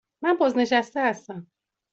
من بازنشسته هستم.